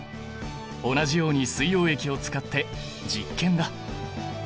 同じように水溶液を使って実験だ！